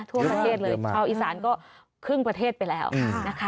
ทั่วประเทศเลยชาวอีสานก็ครึ่งประเทศไปแล้วนะคะ